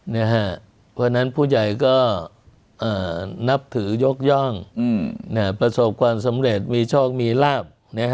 เพราะฉะนั้นผู้ใหญ่ก็นับถือยกย่องประสบความสำเร็จมีโชคมีลาบ